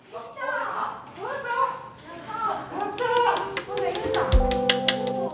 やった！